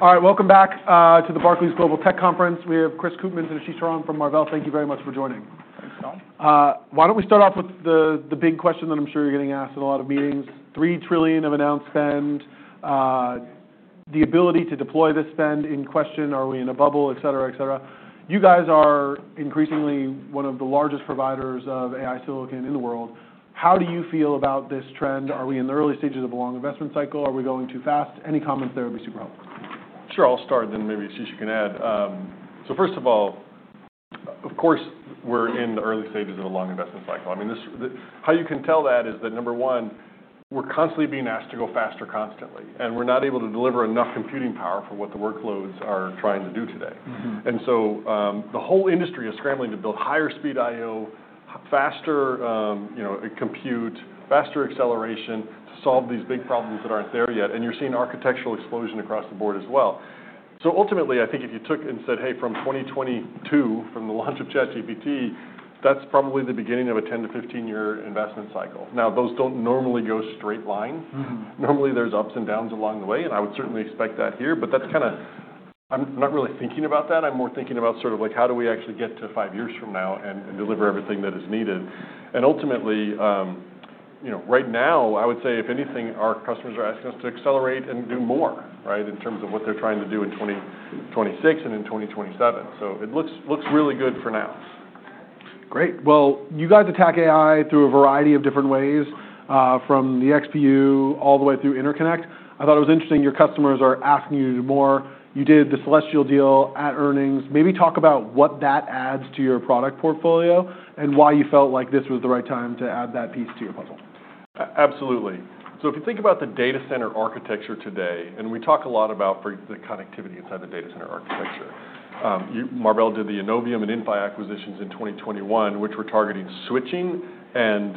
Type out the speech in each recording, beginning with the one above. All right. Welcome back to the Barclays Global Tech Conference. We have Chris Koopmans and Ashish Saran from Marvell. Thank you very much for joining. Thanks, Tom. Why don't we start off with the big question that I'm sure you're getting asked in a lot of meetings: $3 trillion of announced spend, the ability to deploy this spend in question, are we in a bubble, etc., etc.? You guys are increasingly one of the largest providers of AI silicon in the world. How do you feel about this trend? Are we in the early stages of a long investment cycle? Are we going too fast? Any comments there would be super helpful. Sure. I'll start, and then maybe Ashish, you can add. So first of all, of course, we're in the early stages of a long investment cycle. How you can tell that is that, number one, we're constantly being asked to go faster constantly, and we're not able to deliver enough computing power for what the workloads are trying to do today. And so the whole industry is scrambling to build higher speed I/O, faster compute, faster acceleration to solve these big problems that aren't there yet. And you're seeing architectural explosion across the board as well. So ultimately, I think if you took and said, "Hey, from 2022, from the launch of ChatGPT, that's probably the beginning of a 10-15-year investment cycle." Now, those don't normally go straight line. Normally, there's ups and downs along the way, and I would certainly expect that here. But that's kind of, I'm not really thinking about that. I'm more thinking about sort of how do we actually get to five years from now and deliver everything that is needed. And ultimately, right now, I would say, if anything, our customers are asking us to accelerate and do more in terms of what they're trying to do in 2026 and in 2027. So it looks really good for now. Great. Well, you guys attack AI through a variety of different ways, from the XPU all the way through interconnect. I thought it was interesting, your customers are asking you to do more. You did the Celestial deal at earnings. Maybe talk about what that adds to your product portfolio and why you felt like this was the right time to add that piece to your puzzle. Absolutely. So if you think about the data center architecture today, and we talk a lot about the connectivity inside the data center architecture. Marvell did the Innovium and Inphi acquisitions in 2021, which were targeting switching and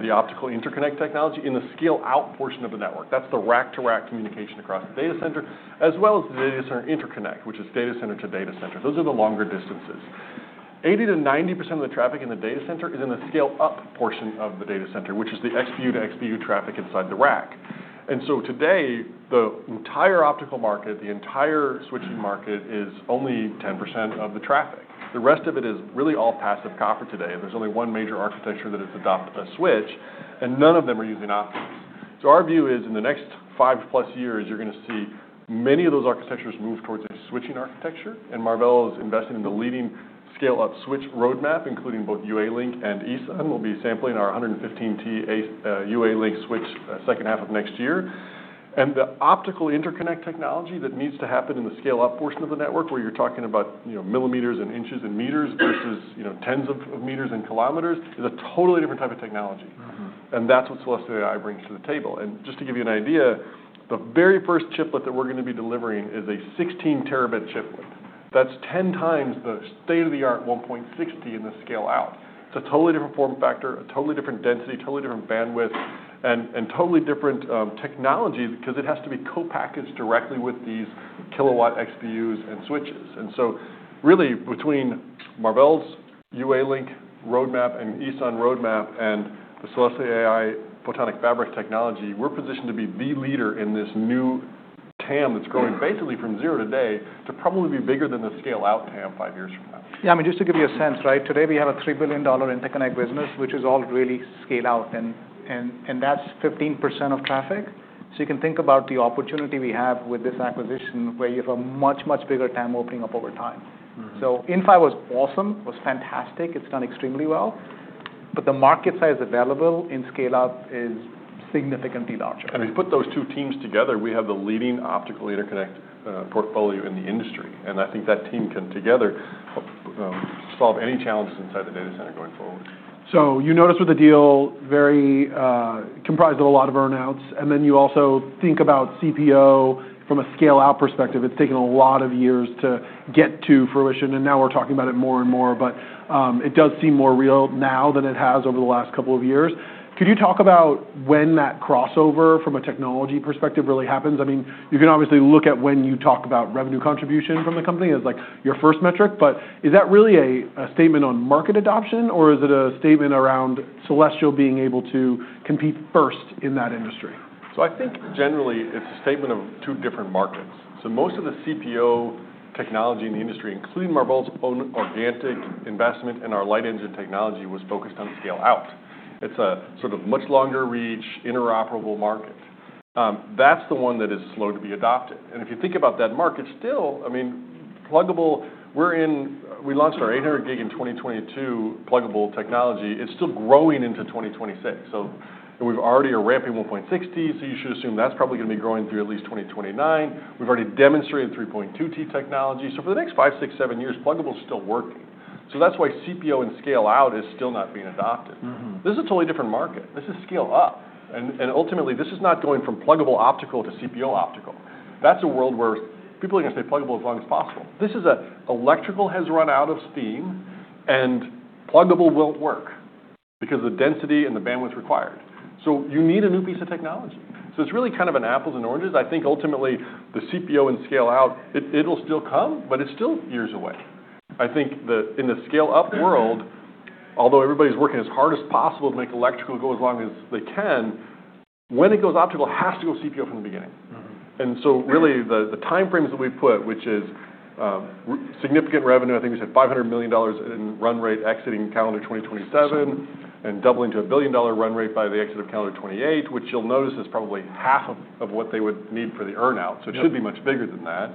the optical interconnect technology in the scale-out portion of the network. That's the rack-to-rack communication across the data center, as well as the data center interconnect, which is data center to data center. Those are the longer distances. 80%-90% of the traffic in the data center is in the scale-up portion of the data center, which is the XPU to XPU traffic inside the rack. And so today, the entire optical market, the entire switching market, is only 10% of the traffic. The rest of it is really all passive copper today. There's only one major architecture that has adopted a switch, and none of them are using optics, so our view is, in the next five-plus years, you're going to see many of those architectures move towards a switching architecture, and Marvell is investing in the leading scale-up switch roadmap, including both UALink and ESUN. We'll be sampling our 115T UALink switch second half of next year, and the optical interconnect technology that needs to happen in the scale-up portion of the network, where you're talking about millimeters and inches and meters versus tens of meters and kilometers, is a totally different type of technology, and that's what Celestial AI brings to the table, and just to give you an idea, the very first chiplet that we're going to be delivering is a 16 Tb chiplet. That's 10 times the state-of-the-art 1.6T in the scale-out. It's a totally different form factor, a totally different density, totally different bandwidth, and totally different technology because it has to be co-packaged directly with these kilowatt XPUs and switches. And so really, between Marvell's UALink roadmap and ESUN roadmap and the Celestial AI Photonic Fabric technology, we're positioned to be the leader in this new TAM that's growing basically from zero today to probably be bigger than the scale-out TAM five years from now. Yeah. I mean, just to give you a sense, today we have a $3 billion interconnect business, which is all really scale-out, and that's 15% of traffic. So you can think about the opportunity we have with this acquisition, where you have a much, much bigger TAM opening up over time. So Inphi was awesome. It was fantastic. It's done extremely well. But the market size available in scale-up is significantly larger. And if you put those two teams together, we have the leading optical interconnect portfolio in the industry. And I think that team can together solve any challenges inside the data center going forward. So you noticed with the deal comprised of a lot of earn-outs, and then you also think about CPO from a scale-out perspective. It's taken a lot of years to get to fruition, and now we're talking about it more and more. But it does seem more real now than it has over the last couple of years. Could you talk about when that crossover from a technology perspective really happens? I mean, you can obviously look at when you talk about revenue contribution from the company as your first metric, but is that really a statement on market adoption, or is it a statement around Celestial being able to compete first in that industry? So I think, generally, it's a statement of two different markets. So most of the CPO technology in the industry, including Marvell's own organic investment and our light engine technology, was focused on scale-out. It's a sort of much longer-reach, interoperable market. That's the one that is slow to be adopted. And if you think about that market still, I mean, pluggable, we launched our 800 Gb in 2022 pluggable technology. It's still growing into 2026. So we've already a ramping 1.6T, so you should assume that's probably going to be growing through at least 2029. We've already demonstrated 3.2T technology. So for the next five, six, seven years, pluggable is still working. So that's why CPO and scale-out is still not being adopted. This is a totally different market. This is scale-up. And ultimately, this is not going from pluggable optical to CPO optical. That's a world where people are going to stay pluggable as long as possible. This is electrical has run out of steam, and pluggable won't work because of the density and the bandwidth required, so you need a new piece of technology, so it's really kind of an apples and oranges. I think, ultimately, the CPO and scale-out, it'll still come, but it's still years away. I think in the scale-up world, although everybody's working as hard as possible to make electrical go as long as they can, when it goes optical, it has to go CPO from the beginning. And so really, the time frames that we've put, which is significant revenue, I think we said $500 million in run rate exiting calendar 2027 and doubling to a billion-dollar run rate by the exit of calendar 2028, which you'll notice is probably half of what they would need for the earnout. So it should be much bigger than that.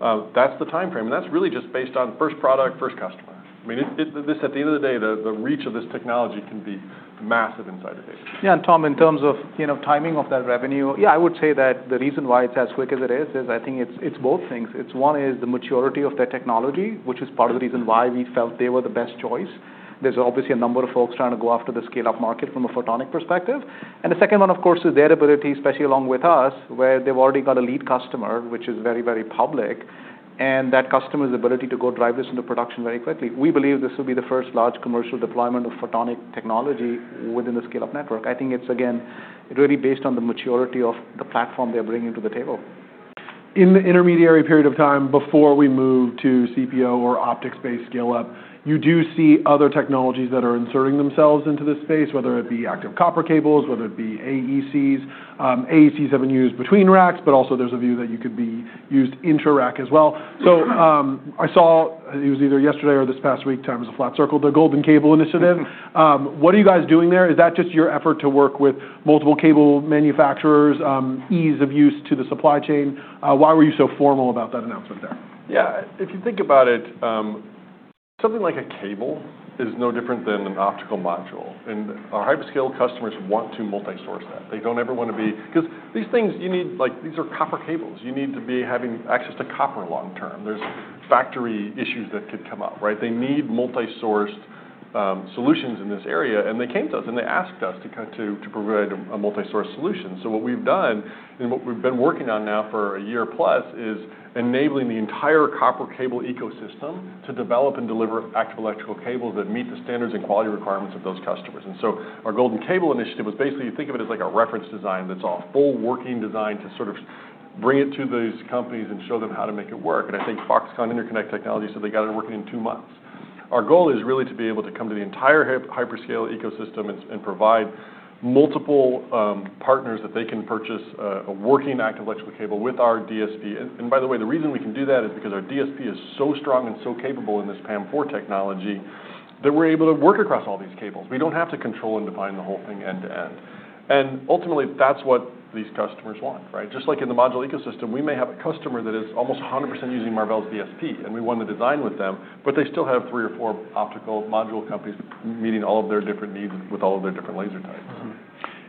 That's the time frame. And that's really just based on first product, first customer. I mean, at the end of the day, the reach of this technology can be massive inside the data. Yeah, and Tom, in terms of timing of that revenue, yeah, I would say that the reason why it's as quick as it is is I think it's both things. One is the maturity of their technology, which is part of the reason why we felt they were the best choice. There's obviously a number of folks trying to go after the scale-up market from a photonic perspective. And the second one, of course, is their ability, especially along with us, where they've already got a lead customer, which is very, very public, and that customer's ability to go drive this into production very quickly. We believe this will be the first large commercial deployment of photonic technology within the scale-up network. I think it's, again, really based on the maturity of the platform they're bringing to the table. In the intermediary period of time before we move to CPO or optics-based scale-up, you do see other technologies that are inserting themselves into this space, whether it be active copper cables, whether it be AECs. AECs have been used between racks, but also there's a view that you could be used intra-rack as well. So I saw it was either yesterday or this past week, time is a flat circle, the Golden Cable initiative. What are you guys doing there? Is that just your effort to work with multiple cable manufacturers, ease of use to the supply chain? Why were you so formal about that announcement there? Yeah. If you think about it, something like a cable is no different than an optical module. And our hyperscale customers want to multi-source that. They don't ever want to be because these things you need are copper cables. You need to be having access to copper long-term. There's factory issues that could come up. They need multi-sourced solutions in this area. And they came to us, and they asked us to provide a multi-source solution. So what we've done and what we've been working on now for a year plus is enabling the entire copper cable ecosystem to develop and deliver active electrical cables that meet the standards and quality requirements of those customers. And so our Golden Cable initiative was basically you think of it as a reference design that's a full working design to sort of bring it to these companies and show them how to make it work. And I think Foxconn Interconnect Technology, so they got it working in two months. Our goal is really to be able to come to the entire hyperscale ecosystem and provide multiple partners that they can purchase a working active electrical cable with our DSP. And by the way, the reason we can do that is because our DSP is so strong and so capable in this PAM4 technology that we're able to work across all these cables. We don't have to control and define the whole thing end to end. And ultimately, that's what these customers want. Just like in the module ecosystem, we may have a customer that is almost 100% using Marvell's DSP, and we want to design with them, but they still have three or four optical module companies meeting all of their different needs with all of their different laser types.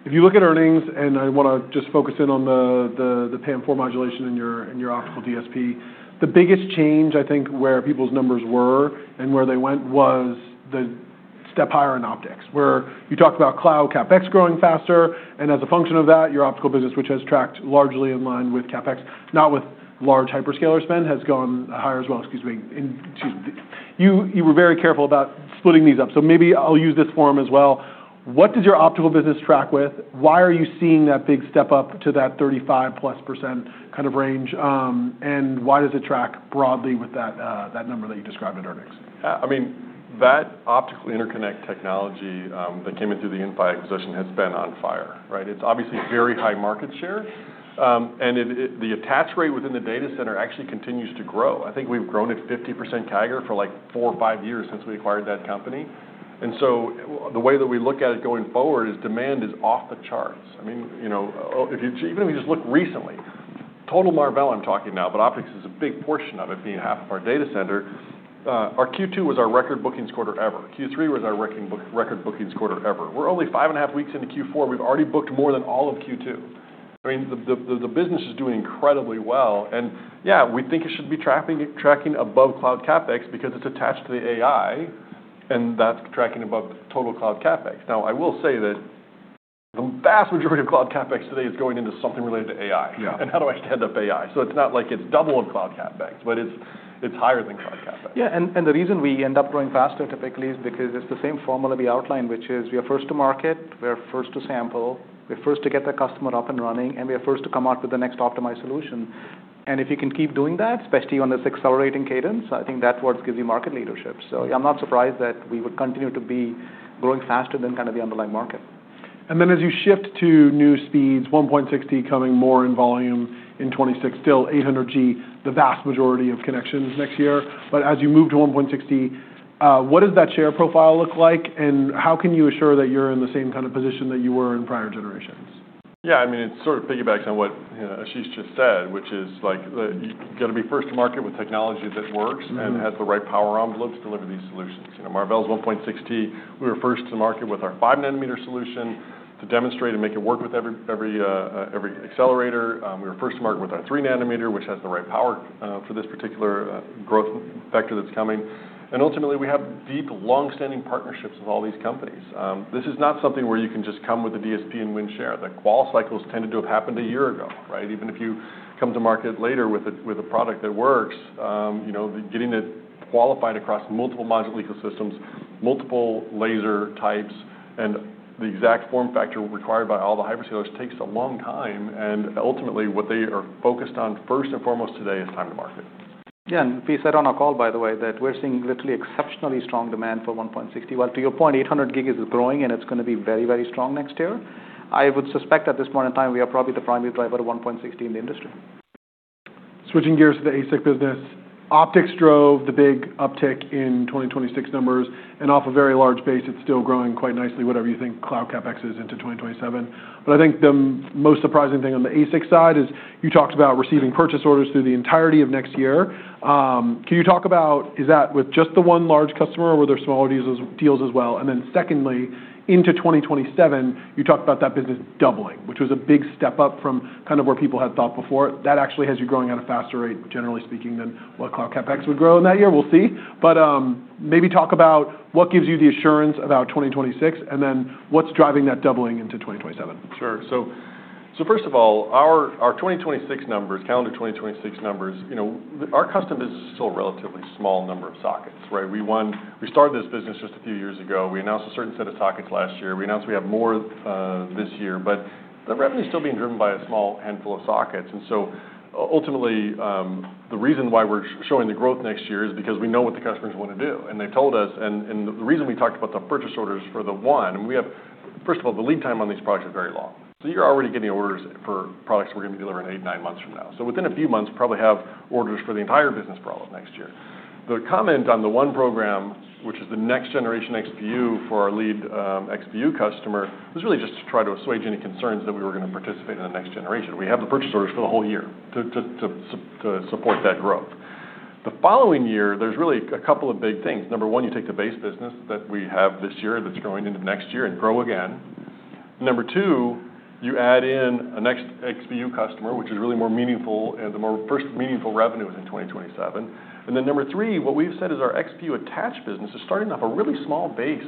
If you look at earnings, and I want to just focus in on the PAM4 modulation and your optical DSP, the biggest change, I think, where people's numbers were and where they went was the step higher in optics, where you talked about cloud CapEx growing faster, and as a function of that, your optical business, which has tracked largely in line with CapEx, not with large hyperscaler spend, has gone higher as well. Excuse me, you were very careful about splitting these up, so maybe I'll use this form as well. What does your optical business track with? Why are you seeing that big step up to that 35%+ kind of range, and why does it track broadly with that number that you described at earnings? Yeah. I mean, that optical interconnect technology that came into the Inphi acquisition has been on fire. It's obviously very high market share, and the attach rate within the data center actually continues to grow. I think we've grown at 50% CAGR for like four or five years since we acquired that company. And so the way that we look at it going forward is demand is off the charts. I mean, even if you just look recently, total Marvell, I'm talking now, but optics is a big portion of it being half of our data center. Our Q2 was our record bookings quarter ever. Q3 was our record bookings quarter ever. We're only five and a half weeks into Q4. We've already booked more than all of Q2. I mean, the business is doing incredibly well. And yeah, we think it should be tracking above cloud CapEx because it's attached to the AI, and that's tracking above total cloud CapEx. Now, I will say that the vast majority of cloud CapEx today is going into something related to AI. And how do I stand up AI? So it's not like it's double of cloud CapEx, but it's higher than cloud CapEx. Yeah, and the reason we end up growing faster typically is because it's the same formula we outlined, which is we are first to market, we are first to sample, we're first to get the customer up and running, and we are first to come out with the next optimized solution, and if you can keep doing that, especially on this accelerating cadence, I think that's what gives you market leadership, so I'm not surprised that we would continue to be growing faster than kind of the underlying market. And then as you shift to new speeds, 1.6T coming more in volume in 2026, still 800G, the vast majority of connections next year. But as you move to 1.6T, what does that share profile look like, and how can you assure that you're in the same kind of position that you were in prior generations? Yeah. I mean, it's sort of piggybacks on what Ashish just said, which is you've got to be first to market with technology that works and has the right power envelopes to deliver these solutions. Marvell's 1.6T, we were first to market with our five nanometer solution to demonstrate and make it work with every accelerator. We were first to market with our three nanometer, which has the right power for this particular growth vector that's coming. And ultimately, we have deep, long-standing partnerships with all these companies. This is not something where you can just come with the DSP and win share. The qualification cycles tended to have happened a year ago. Even if you come to market later with a product that works, getting it qualified across multiple module ecosystems, multiple laser types, and the exact form factor required by all the hyperscalers takes a long time. Ultimately, what they are focused on first and foremost today is time to market. Yeah, and we said on our call, by the way, that we're seeing literally exceptionally strong demand for 1.6T. Well, to your point, 800 Gb is growing, and it's going to be very, very strong next year. I would suspect at this point in time, we are probably the primary driver of 1.6T in the industry. Switching gears to the ASIC business, optics drove the big uptick in 2026 numbers, and off a very large base, it's still growing quite nicely, whatever you think cloud CapEx is into 2027. But I think the most surprising thing on the ASIC side is you talked about receiving purchase orders through the entirety of next year. Can you talk about is that with just the one large customer, or were there smaller deals as well? And then secondly, into 2027, you talked about that business doubling, which was a big step up from kind of where people had thought before. That actually has you growing at a faster rate, generally speaking, than what cloud CapEx would grow in that year. We'll see. But maybe talk about what gives you the assurance about 2026, and then what's driving that doubling into 2027. Sure. So first of all, our 2026 numbers, calendar 2026 numbers, our custom business is still a relatively small number of sockets. We started this business just a few years ago. We announced a certain set of sockets last year. We announced we have more this year, but the revenue is still being driven by a small handful of sockets. And so ultimately, the reason why we're showing the growth next year is because we know what the customers want to do. And they've told us, and the reason we talked about the purchase orders for the one, first of all, the lead time on these products is very long. So you're already getting orders for products we're going to be delivering eight, nine months from now. So within a few months, probably have orders for the entire business for all of next year. The comment on the one program, which is the next generation XPU for our lead XPU customer, was really just to try to assuage any concerns that we were going to participate in the next generation. We have the purchase orders for the whole year to support that growth. The following year, there's really a couple of big things. Number one, you take the base business that we have this year that's growing into next year and grow again. Number two, you add in a next XPU customer, which is really more meaningful, and the first meaningful revenue is in 2027, and then number three, what we've said is our XPU Attach business is starting off a really small base.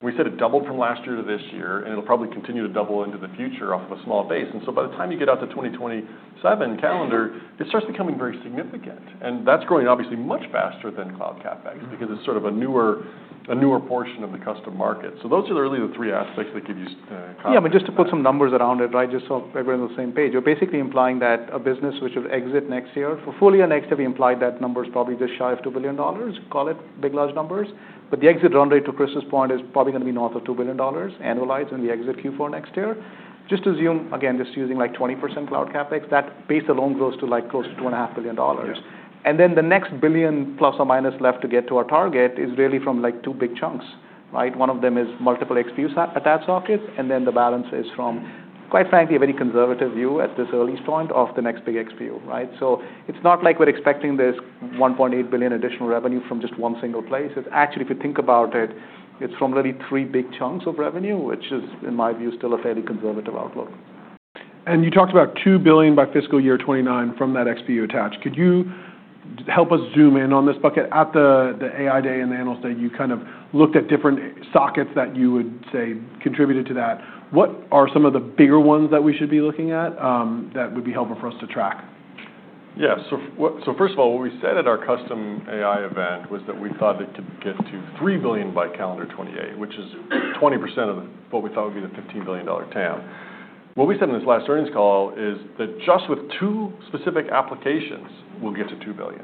We said it doubled from last year to this year, and it'll probably continue to double into the future off of a small base. And so by the time you get out to 2027 calendar, it starts becoming very significant. And that's growing, obviously, much faster than cloud CapEx because it's sort of a newer portion of the custom market. So those are really the three aspects that give you confidence. Yeah. I mean, just to put some numbers around it, just so everyone's on the same page, we're basically implying that a business which will exit next year, for fully or next year, we implied that number is probably just shy of $2 billion, call it big large numbers. But the exit run rate to Chris' point is probably going to be north of $2 billion annualized when we exit Q4 next year. Just to assume, again, just using like 20% cloud CapEx, that base alone grows to like close to $2.5 billion. And then the next billion plus or minus left to get to our target is really from like two big chunks. One of them is multiple XPU Attach sockets, and then the balance is from, quite frankly, a very conservative view at this earliest point of the next big XPU. So it's not like we're expecting this $1.8 billion additional revenue from just one single place. It's actually, if you think about it, it's from really three big chunks of revenue, which is, in my view, still a fairly conservative outlook. And you talked about $2 billion by fiscal year 2029 from that XPU Attach. Could you help us zoom in on this bucket? At the AI Day and the Analyst Day, you kind of looked at different sockets that you would say contributed to that. What are some of the bigger ones that we should be looking at that would be helpful for us to track? Yeah. So first of all, what we said at our custom AI event was that we thought it could get to $3 billion by calendar 2028, which is 20% of what we thought would be the $15 billion TAM. What we said in this last earnings call is that just with two specific applications, we'll get to $2 billion.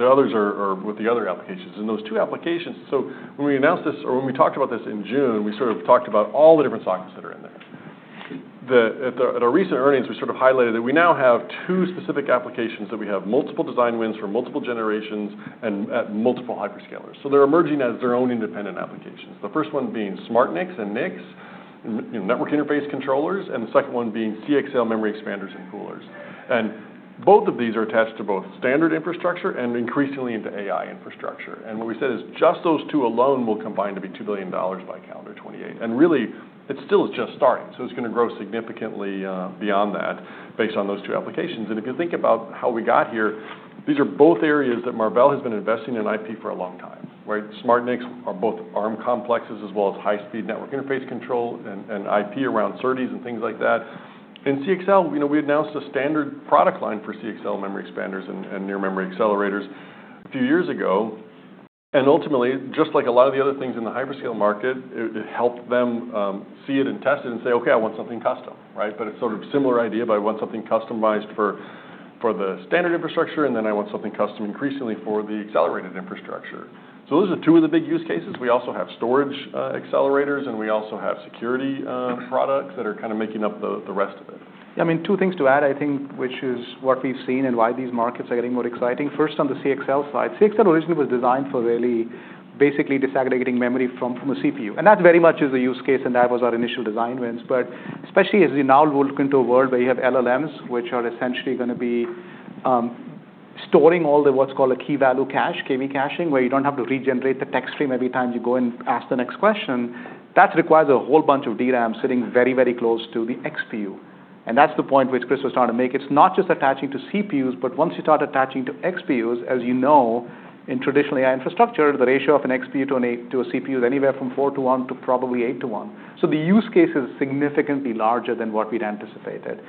The others are with the other applications. And those two applications, so when we announced this or when we talked about this in June, we sort of talked about all the different sockets that are in there. At our recent earnings, we sort of highlighted that we now have two specific applications that we have multiple design wins for multiple generations and at multiple hyperscalers. So they're emerging as their own independent applications. The first one being SmartNICs and NICs, network interface controllers, and the second one being CXL memory expanders and poolers. And both of these are attached to both standard infrastructure and increasingly into AI infrastructure. And what we said is just those two alone will combine to be $2 billion by calendar 2028. And really, it still is just starting. So it's going to grow significantly beyond that based on those two applications. And if you think about how we got here, these are both areas that Marvell has been investing in IP for a long time. SmartNICs are both Arm complexes as well as high-speed network interface controller and IP around SerDes and things like that. And CXL, we announced a standard product line for CXL memory expanders and near-memory accelerators a few years ago. And ultimately, just like a lot of the other things in the hyperscale market, it helped them see it and test it and say, "Okay, I want something custom." But it's sort of a similar idea, but I want something customized for the standard infrastructure, and then I want something custom increasingly for the accelerated infrastructure. So those are two of the big-use cases. We also have storage accelerators, and we also have security products that are kind of making up the rest of it. Yeah. I mean, two things to add, I think, which is what we've seen and why these markets are getting more exciting. First, on the CXL side, CXL originally was designed for really basically disaggregating memory from a CPU. And that very much is a use case, and that was our initial design wins. But especially as we now look into a world where you have LLMs, which are essentially going to be storing all the what's called a key-value cache, KV caching, where you don't have to regenerate the text stream every time you go and ask the next question, that requires a whole bunch of DRAM sitting very, very close to the XPU. And that's the point which Chris was trying to make. It's not just attaching to CPUs, but once you start attaching to XPUs, as you know, in traditional AI infrastructure, the ratio of an XPU to a CPU is anywhere from four to one to probably eight to one. So the use case is significantly larger than what we'd anticipated.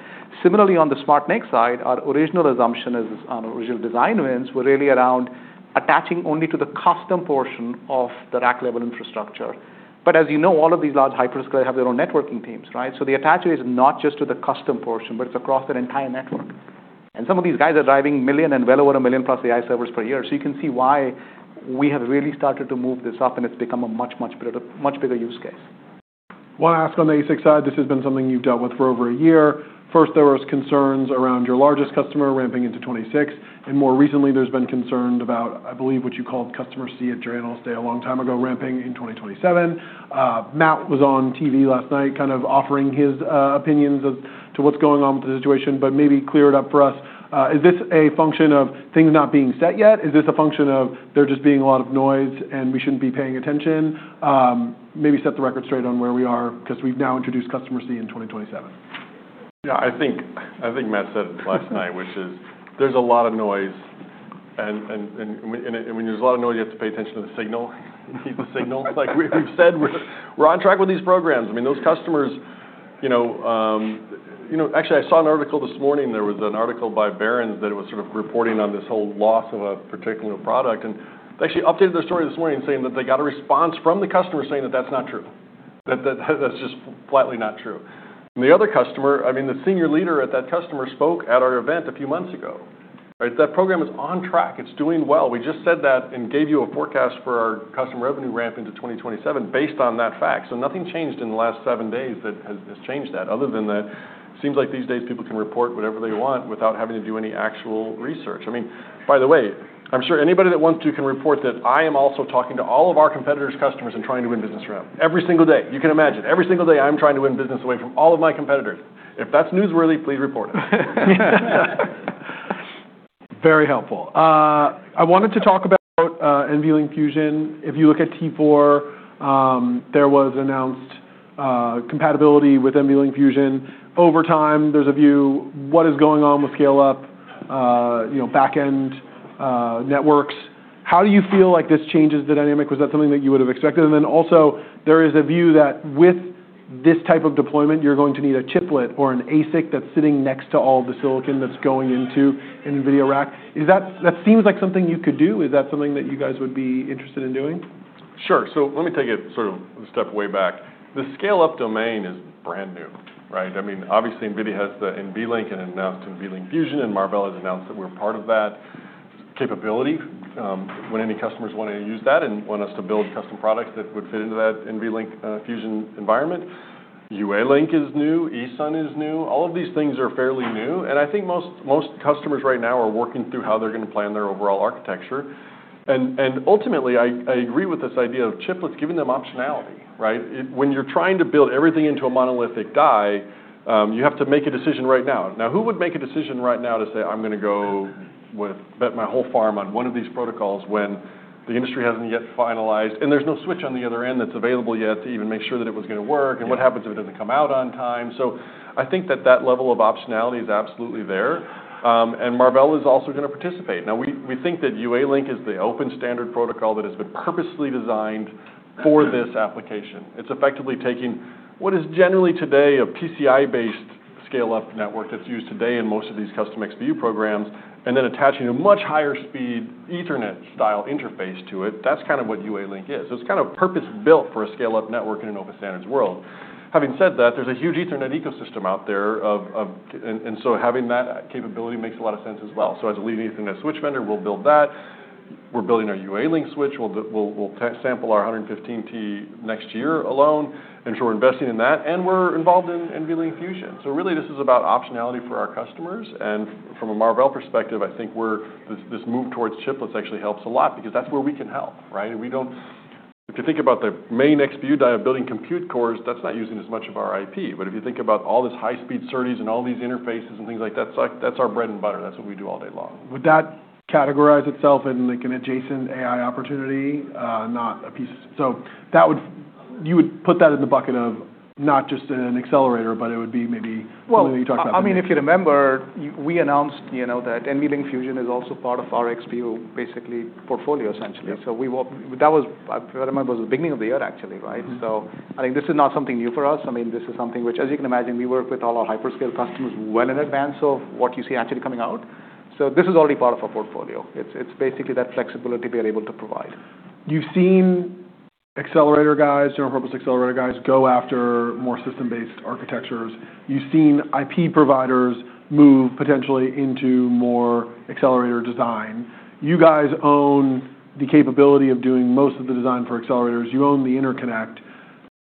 Similarly, on the SmartNIC side, our original assumption is on original design wins were really around attaching only to the custom portion of the rack-level infrastructure. But as you know, all of these large hyperscalers have their own networking teams. So the attachment is not just to the custom portion, but it's across their entire network. And some of these guys are driving million and well over a million plus AI servers per year. So you can see why we have really started to move this up, and it's become a much, much bigger use case. Want to ask on the ASIC side, this has been something you've dealt with for over a year. First, there were concerns around your largest customer ramping into 2026. And more recently, there's been concern about, I believe, what you called Customer C at Analyst Day a long time ago ramping in 2027. Matt was on TV last night kind of offering his opinions as to what's going on with the situation, but maybe clear it up for us. Is this a function of things not being set yet? Is this a function of there just being a lot of noise and we shouldn't be paying attention? Maybe set the record straight on where we are because we've now introduced Customer C in 2027. Yeah. I think Matt said it last night, which is there's a lot of noise, and when there's a lot of noise, you have to pay attention to the signal. You need the signal. Like we've said, we're on track with these programs. I mean, those customers, actually, I saw an article this morning. There was an article by Barron's that it was sort of reporting on this whole loss of a particular product, and they actually updated their story this morning saying that they got a response from the customer saying that that's not true. That's just flatly not true, and the other customer, I mean, the senior leader at that customer spoke at our event a few months ago. That program is on track. It's doing well. We just said that and gave you a forecast for our customer revenue ramp into 2027 based on that fact. So nothing changed in the last seven days that has changed that other than that it seems like these days people can report whatever they want without having to do any actual research. I mean, by the way, I'm sure anybody that wants to can report that I am also talking to all of our competitors' customers and trying to win business for them. Every single day. You can imagine. Every single day, I'm trying to win business away from all of my competitors. If that's newsworthy, please report it. Very helpful. I wanted to talk about NVLink Fusion. If you look at T4, there was announced compatibility with NVLink Fusion. Over time, there's a view what is going on with scale-up backend networks. How do you feel like this changes the dynamic? Was that something that you would have expected? And then also, there is a view that with this type of deployment, you're going to need a chiplet or an ASIC that's sitting next to all the silicon that's going into an NVIDIA rack. That seems like something you could do. Is that something that you guys would be interested in doing? Sure, so let me take it sort of a step way back. The scale-up domain is brand new. I mean, obviously, NVIDIA has the NVLink and announced NVLink Fusion, and Marvell has announced that we're part of that capability when any customers want to use that and want us to build custom products that would fit into that NVLink Fusion environment. UALink is new. ESUN is new. All of these things are fairly new, and I think most customers right now are working through how they're going to plan their overall architecture, and ultimately, I agree with this idea of chiplets giving them optionality. When you're trying to build everything into a monolithic die, you have to make a decision right now. Now, who would make a decision right now to say, "I'm going to go bet my whole farm on one of these protocols when the industry hasn't yet finalized?" And there's no switch on the other end that's available yet to even make sure that it was going to work. And what happens if it doesn't come out on time? So I think that that level of optionality is absolutely there. And Marvell is also going to participate. Now, we think that UALink is the open standard protocol that has been purposely designed for this application. It's effectively taking what is generally today a PCIe-based scale-up network that's used today in most of these custom XPU programs and then attaching a much higher speed Ethernet-style interface to it. That's kind of what UALink is. So it's kind of purpose-built for a scale-up network in an open standards world. Having said that, there's a huge Ethernet ecosystem out there, and so having that capability makes a lot of sense as well, so as a leading Ethernet switch vendor, we'll build that. We're building our UALink switch. We'll sample our 115T next year alone, and so we're investing in that, and we're involved in NVLink Fusion, so really, this is about optionality for our customers, and from a Marvell perspective, I think this move towards chiplets actually helps a lot because that's where we can help. If you think about the main XPU die of building compute cores, that's not using as much of our IP, but if you think about all this high-speed SerDes and all these interfaces and things like that, that's our bread and butter. That's what we do all day long. Would that categorize itself in like an adjacent AI opportunity, not a piece? So you would put that in the bucket of not just an accelerator, but it would be maybe something that you talked about. I mean, if you remember, we announced that NVLink Fusion is also part of our XPU basically portfolio, essentially. That was, if I remember, the beginning of the year, actually. I think this is not something new for us. I mean, this is something which, as you can imagine, we work with all our hyperscale customers well in advance of what you see actually coming out. This is already part of our portfolio. It's basically that flexibility we are able to provide. You've seen accelerator guys, general purpose accelerator guys, go after more system-based architectures. You've seen IP providers move potentially into more accelerator design. You guys own the capability of doing most of the design for accelerators. You own the interconnect.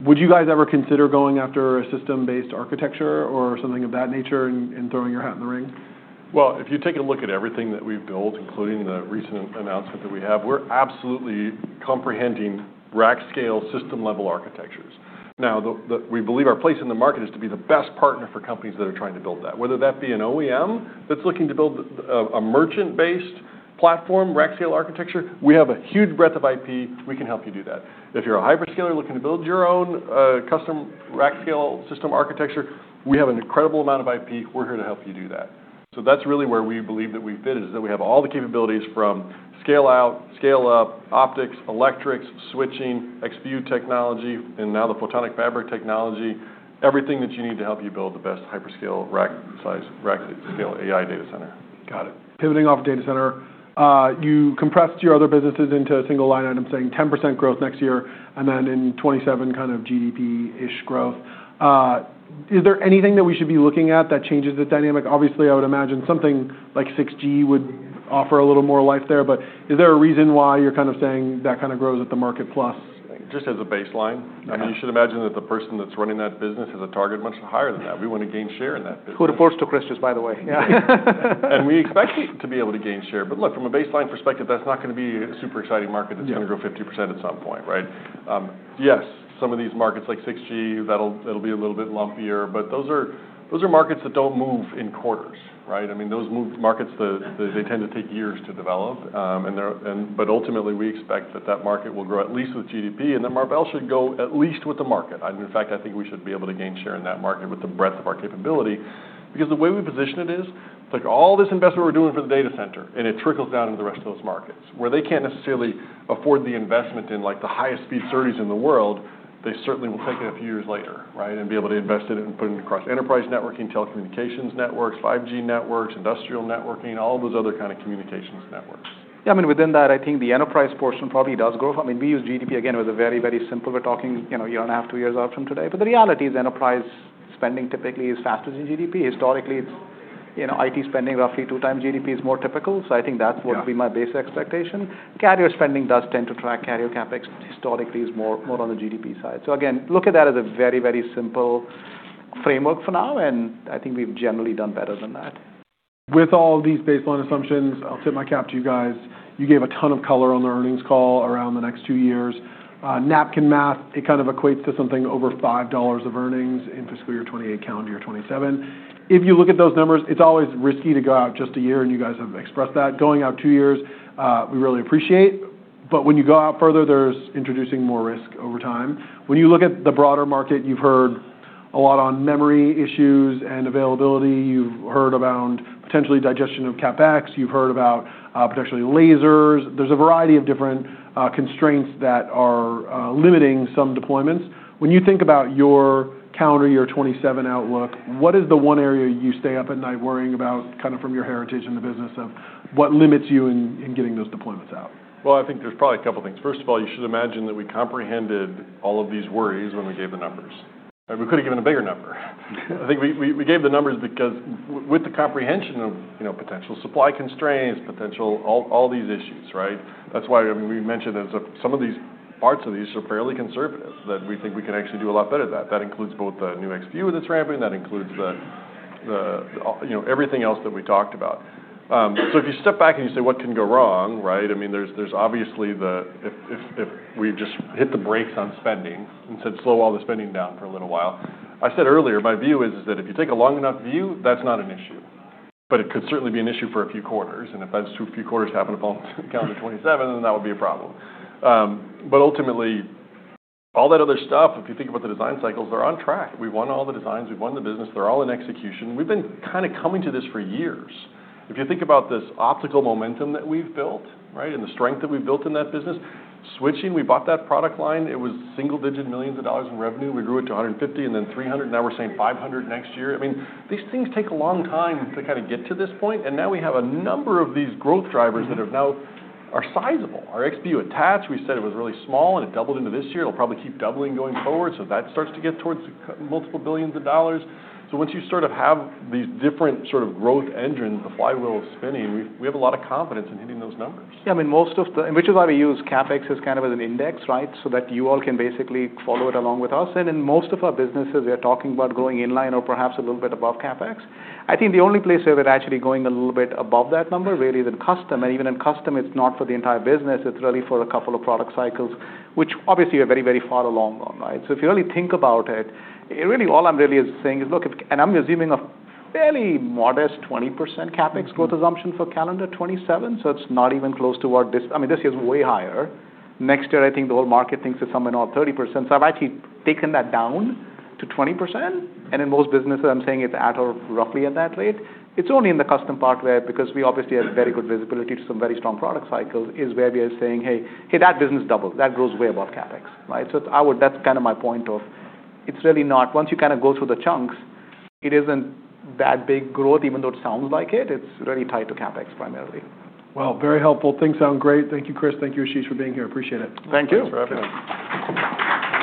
Would you guys ever consider going after a system-based architecture or something of that nature and throwing your hat in the ring? If you take a look at everything that we've built, including the recent announcement that we have, we're absolutely complementing rack-scale system-level architectures. Now, we believe our place in the market is to be the best partner for companies that are trying to build that. Whether that be an OEM that's looking to build a merchant-based platform rack-scale architecture, we have a huge breadth of IP. We can help you do that. If you're a hyperscaler looking to build your own custom rack-scale system architecture, we have an incredible amount of IP. We're here to help you do that. That's really where we believe that we fit is that we have all the capabilities from scale-out, scale-up, optics, electrics, switching, XPU technology, and now the Photonic Fabric technology, everything that you need to help you build the best hyperscale rack-scale AI data center. Got it. Pivoting off data center, you compressed your other businesses into a single line item saying 10% growth next year and then in 2027 kind of GDP-ish growth. Is there anything that we should be looking at that changes the dynamic? Obviously, I would imagine something like 6G would offer a little more life there. But is there a reason why you're kind of saying that kind of grows at the market plus? Just as a baseline. I mean, you should imagine that the person that's running that business has a target much higher than that. We want to gain share in that business. Chris by the way? We expect to be able to gain share. Look, from a baseline perspective, that's not going to be a super exciting market. It's going to grow 50% at some point. Yes, some of these markets like 6G, that'll be a little bit lumpier. Those are markets that don't move in quarters. I mean, those markets, they tend to take years to develop. Ultimately, we expect that that market will grow at least with GDP. Marvell should go at least with the market. In fact, I think we should be able to gain share in that market with the breadth of our capability because the way we position it is all this investment we're doing for the data center, and it trickles down into the rest of those markets. Where they can't necessarily afford the investment in the highest speed SerDes in the world, they certainly will take it a few years later and be able to invest in it and put it across enterprise networking, telecommunications networks, 5G networks, industrial networking, all those other kind of communications networks. Yeah. I mean, within that, I think the enterprise portion probably does grow from. I mean, we use GDP again with a very, very simple. We're talking a year and a half, two years out from today. But the reality is enterprise spending typically is faster than GDP. Historically, IT spending roughly two times GDP is more typical. So I think that's what would be my basic expectation. Carrier spending does tend to track carrier CapEx historically is more on the GDP side. So again, look at that as a very, very simple framework for now, and I think we've generally done better than that. With all these baseline assumptions, I'll tip my cap to you guys. You gave a ton of color on the earnings call around the next two years. Napkin math, it kind of equates to something over $5 of earnings in fiscal year 2028, calendar year 2027. If you look at those numbers, it's always risky to go out just a year, and you guys have expressed that. Going out two years, we really appreciate. But when you go out further, there's introducing more risk over time. When you look at the broader market, you've heard a lot on memory issues and availability. You've heard around potentially digestion of CapEx. You've heard about potentially lasers. There's a variety of different constraints that are limiting some deployments. When you think about your calendar year 2027 outlook, what is the one area you stay up at night worrying about kind of from your heritage in the business of what limits you in getting those deployments out? I think there's probably a couple of things. First of all, you should imagine that we comprehended all of these worries when we gave the numbers. We could have given a bigger number. I think we gave the numbers because with the comprehension of potential supply constraints, potential all these issues. That's why we mentioned that some of these parts of these are fairly conservative that we think we can actually do a lot better that. That includes both the new XPU that's ramping. That includes everything else that we talked about. So if you step back and you say, "What can go wrong?" I mean, there's obviously the if we just hit the brakes on spending and said, "Slow all the spending down for a little while," I said earlier, my view is that if you take a long enough view, that's not an issue. But it could certainly be an issue for a few quarters. And if those few quarters happen to fall into calendar 2027, then that would be a problem. But ultimately, all that other stuff, if you think about the design cycles, they're on track. We've won all the designs. We've won the business. They're all in execution. We've been kind of coming to this for years. If you think about this optical momentum that we've built and the strength that we've built in that business, switching, we bought that product line. It was single-digit millions of dollars in revenue. We grew it to 150 and then 300. Now we're saying 500 next year. I mean, these things take a long time to kind of get to this point. And now we have a number of these growth drivers that are now sizable. Our XPU Attach, we said it was really small, and it doubled into this year. It'll probably keep doubling going forward. So that starts to get towards multiple billions of dollars. So once you sort of have these different sort of growth engines, the flywheel is spinning. We have a lot of confidence in hitting those numbers. Yeah. I mean, most of them, and which is why we use CapEx as kind of an index so that you all can basically follow it along with us. And in most of our businesses, we are talking about going in line or perhaps a little bit above CapEx. I think the only place where we're actually going a little bit above that number really is in custom. And even in custom, it's not for the entire business. It's really for a couple of product cycles, which obviously we're very, very far along on. So if you really think about it, really all I'm really saying is, look, and I'm assuming a fairly modest 20% CapEx growth assumption for calendar 2027. So it's not even close to what this. I mean, this year is way higher. Next year, I think the whole market thinks it's somewhere around 30%. So I've actually taken that down to 20%. And in most businesses, I'm saying it's at or roughly at that rate. It's only in the custom part where because we obviously have very good visibility to some very strong product cycles is where we are saying, "Hey, that business doubled. That grows way above CapEx." So that's kind of my point of it's really not once you kind of go through the chunks, it isn't that big growth, even though it sounds like it. It's really tied to CapEx primarily. Very helpful. Things sound great. Thank you, Chris. Thank you, Ashish, for being here. Appreciate it. Thank you. Thanks for having me.